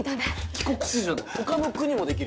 帰国子女だ他の国もできるよ。